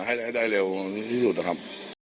ให้ได้เร็วที่สุดนะครับ